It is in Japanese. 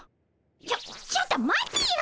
ちょちょっと待てよ！